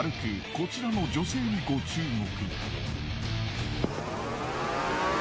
こちらの女性にご注目。